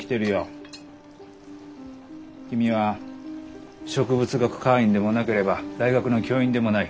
君は植物学会員でもなければ大学の教員でもない。